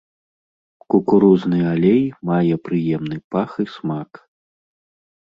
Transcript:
Кукурузны алей мае прыемны пах і смак.